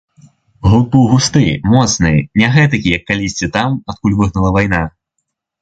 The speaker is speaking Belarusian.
Гук быў густы, моцны, не гэтакі, як калісьці там, адкуль выгнала вайна.